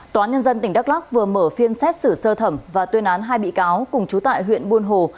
tòa án nhân dân tỉnh đắk lắc vừa mở phiên xét xử sơ thẩm và tuyên án hai bị cáo cùng chú tại huyện buôn hồ